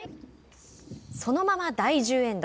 そのまま第１０エンド。